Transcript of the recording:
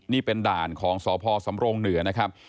นี่เป็นด่านของสพสำรงเหนือนะครับ